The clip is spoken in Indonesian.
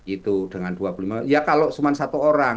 itu dengan dua puluh lima ya kalau cuma satu orang